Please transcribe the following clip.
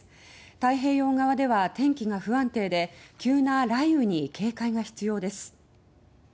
太平洋側では天気が不安定で急な雷雨に警戒が必要です。